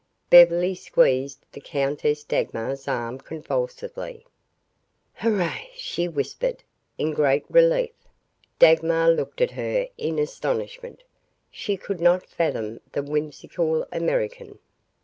Beverly squeezed the Countess Dagmar's arm convulsively. "Hurrah!" she whispered, in great relief. Dagmar looked at her in astonishment. She could not fathom the whimsical American.